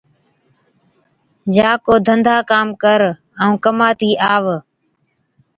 جا ڪو ڌنڌا ڪام ڪر، ائُون ڪماتِي آوَ۔